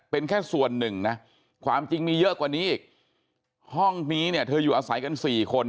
เป็นแค่ส่วนหนึ่งนะความจริงมีเยอะกว่านี้อีกห้องนี้เนี่ยเธออยู่อาศัยกันสี่คน